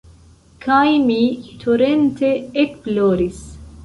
Kaj mi torente ekploris.